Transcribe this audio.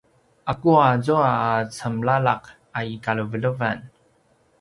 ’aku azua a cemlala’ a i kalevelevan?